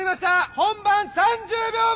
本番３０秒前！